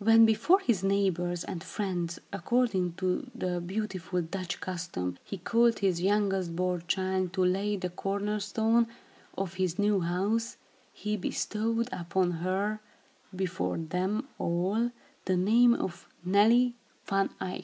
When, before his neighbors and friends, according to the beautiful Dutch custom, he called his youngest born child, to lay the corner stone of his new house, he bestowed upon her, before them all, the name of Neeltje (or Nellie) Van Eyck.